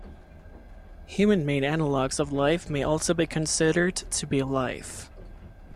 Human-made analogs of life may also be considered to be life.